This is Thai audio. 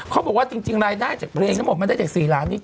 เขาบอกว่าจริงรายได้จากเพลงทั้งหมดมันได้จาก๔ล้านนี้